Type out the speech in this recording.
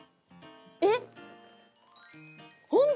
えっ！